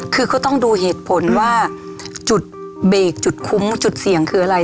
คือก็ต้องดูเหตุผลว่าจุดเบรกจุดคุ้มจุดเสี่ยงคืออะไร